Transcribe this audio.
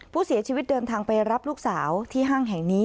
ผู้เสียชีวิตเดินทางไปรับลูกสาวที่ห้างแห่งนี้